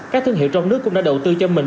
các thương hiệu trong nước cũng đã đầu tư cho mình